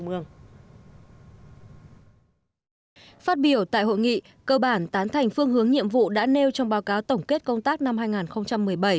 phát biểu tại hội nghị cơ bản tán thành phương hướng nhiệm vụ đã nêu trong báo cáo tổng kết công tác năm hai nghìn một mươi bảy